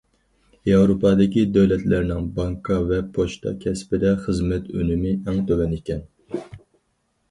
ياۋروپادىكى دۆلەتلەرنىڭ بانكا ۋە پوچتا كەسپىدە خىزمەت ئۈنۈمى ئەڭ تۆۋەن ئىكەن.